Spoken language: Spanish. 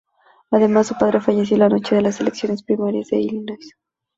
Además su padre falleció la noche de las elecciones primarias de Illinois.